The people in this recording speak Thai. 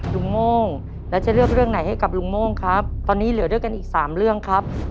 โม่งแล้วจะเลือกเรื่องไหนให้กับลุงโม่งครับตอนนี้เหลือด้วยกันอีกสามเรื่องครับ